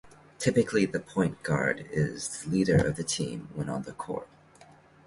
Typically, the point guard is the leader of the team when on the court.